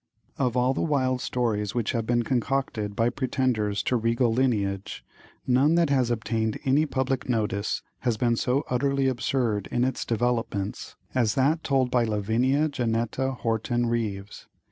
Of all the wild stories which have been concocted by pretenders to regal lineage, none that has obtained any public notice has been so utterly absurd in its developments as that told by Lavinia Janneta Horton Ryves.